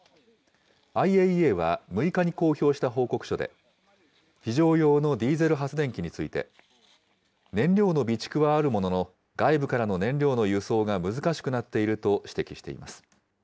ＩＡＥＡは６日に公表した報告書で、非常用のディーゼル発電機について、燃料の備蓄はあるものの、外部からの燃料の輸送が難しくなっていると指摘しています。